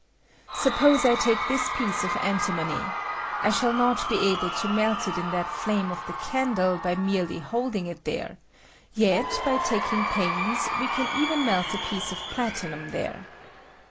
Suppose I take this piece of antimony : I shall not be able to melt it in that flame of the candle hy merely holding it there ; yet, by taking pains, we can even melt a piece of platinum there.